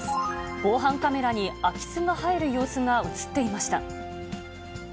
防犯カメラに空き巣が入る様子が写っていました。